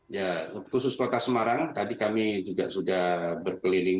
ya khusus kota semarang tadi kami juga sudah berkeliling